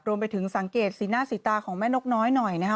รวมไปถึงสังเกตสีหน้าสีตาของแม่นกน้อยหน่อยนะคะ